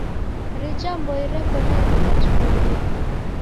Rija mboi reko na irumba jiboie.